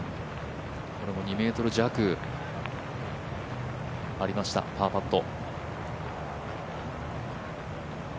これも２ｍ弱ありましたパーパット。